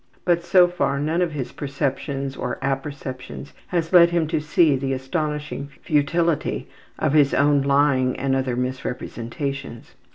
But so far, none of his perceptions or apperceptions has led him to see the astonishing futility of his own lying and other misrepresentations.